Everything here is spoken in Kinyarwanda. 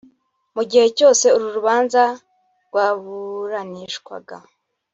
Mu gihe cyose uru rubanza rwaburanishwaga